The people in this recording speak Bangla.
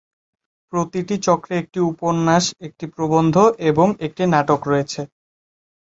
প্রতিটি চক্রে একটি উপন্যাস, একটি প্রবন্ধ এবং একটি নাটক রয়েছে।